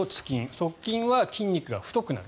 速筋は筋肉が太くなる。